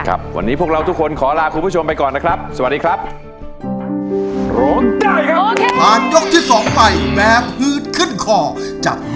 ครับวันนี้พวกเราทุกคนขอลาคุณผู้ชมไปก่อนนะครับสวัสดีครับ